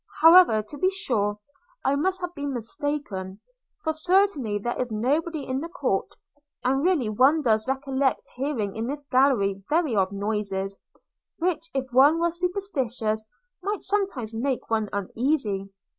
However, to be sure, I must have been mistaken, for certainly there is nobody in the court: and really one does recollect hearing in this gallery very odd noises, which, if one was superstitious, might sometimes make one uneasy.